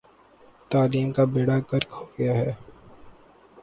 تعلیم کا بیڑہ غرق ہو گیا ہے۔